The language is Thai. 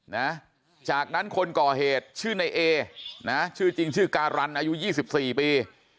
นะจากนั้นคนก่อเหตุชื่อในเอนะชื่อจริงชื่อการันอายุยี่สิบสี่ปี